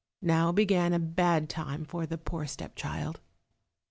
Now began a bad time for the poor step child.